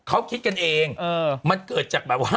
เขาคิดกันเองมันเกิดจากแบบว่า